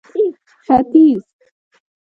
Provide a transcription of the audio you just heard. ختيځ